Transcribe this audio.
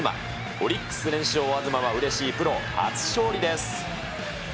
オリックス連勝、東はうれしいプロ初勝利です